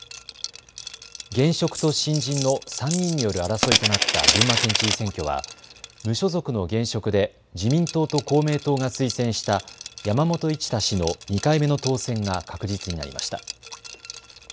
現職と新人の３人による争いとなった群馬県知事選挙は無所属の現職で自民党と公明党が推薦した山本一太氏の２回目の当選が確実になりました。